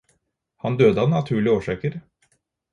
Han døde av naturlige årsaker.